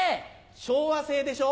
昭和製でしょう。